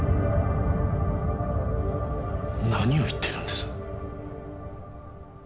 何を言ってるんです？